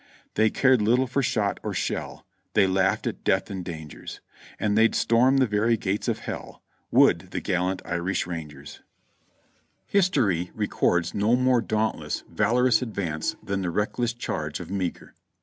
"They cared little for shot or shell. They laughed at death and dangers, And they'd storm the very gates of hell, Would the gallant Irish rangers." FREDERICKSBURG 317 History records no more dauntless, valorous advance than the reckless charge of ]\Ieagher.